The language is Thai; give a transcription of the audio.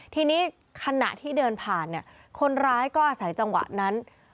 ทีนี้ขณะที่เดินผ่านเนี่ยคนร้ายก็อาศัยจังหวะนั้น